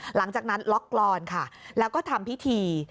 หลังจากนั้นล็อกกรอนค่ะแล้วก็ทำพิธี